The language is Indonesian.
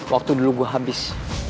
waktu dulu gue habis